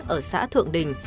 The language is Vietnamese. ở xã thượng đình